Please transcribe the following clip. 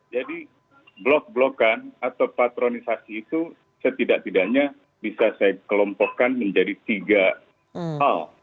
jadi blok blokan atau patronisasi itu setidak tidaknya bisa saya kelompokkan menjadi tiga hal